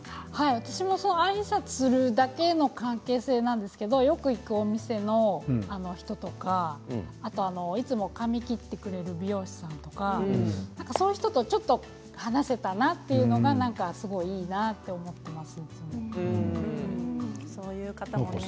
私もあいさつするだけの関係性なんですけどよく行くお店の人とかあと、いつも髪を切ってくれる美容師さんとかそういう人とちょっと話せたなというのがすごいいいなと思っています。